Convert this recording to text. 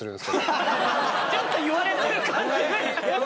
ちょっと言われてる感じ